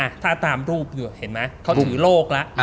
ใช่ถ้าตามรูปเห็นไหมเขาถือโลกละ